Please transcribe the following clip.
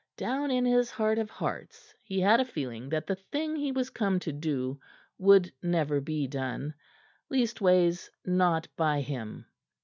Down in his heart of hearts he had a feeling that the thing he was come to do would never be done leastways, not by him.